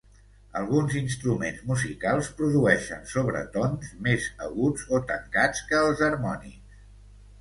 Alguns instruments musicals produeixen sobretons més aguts o tancats que els harmònics.